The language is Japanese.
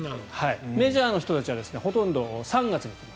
メジャーの人たちはほとんど３月に来ます。